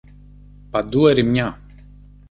Παντού ερημιά.